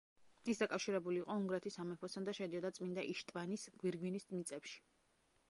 ის დაკავშირებული იყო უნგრეთის სამეფოსთან და შედიოდა წმინდა იშტვანის გვირგვინის მიწებში.